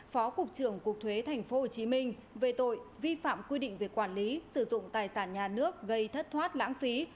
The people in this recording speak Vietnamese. phó cục trưởng cục thuế tp hcm về tội vi phạm quy định về quản lý sử dụng tài sản nhà nước gây thất thoát lãng phí